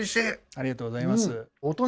ありがとうございます。